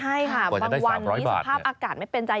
ใช่ค่ะบางวันนี้สภาพอากาศไม่เป็นใจ